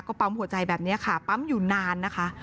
ก็ปั๊มหัวใจแบบนี้ค่ะปั๊มอยู่นานนะคะ